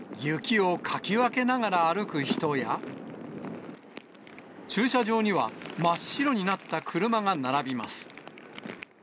雪をかき分けながら歩く人や、駐車場には、真っ白になった車が並びます。